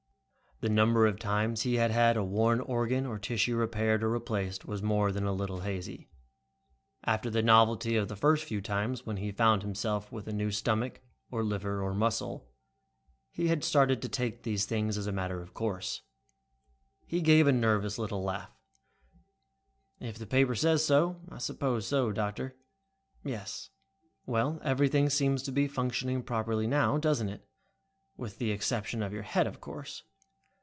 The number of times he had had a worn organ or tissue repaired or replaced was more than a little hazy. After the novelty of the first few times when he found himself with a new stomach, or liver, or muscle, he had started to take these things as a matter of course. He gave a little nervous laugh. "If that paper says so, I suppose so, doctor." "Yes. Well, everything seems to be functioning properly now, doesn't it? With the exception of your head, of course."